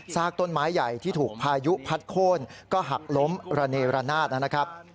ต้นไม้ใหญ่ที่ถูกพายุพัดโค้นก็หักล้มระเนรนาศนะครับ